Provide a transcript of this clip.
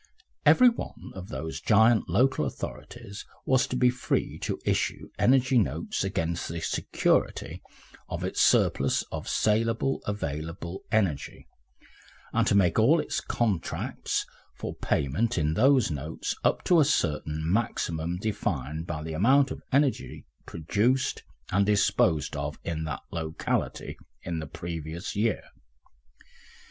Every one of those giant local authorities was to be free to issue energy notes against the security of its surplus of saleable available energy, and to make all its contracts for payment in those notes up to a certain maximum defined by the amount of energy produced and disposed of in that locality in the previous year.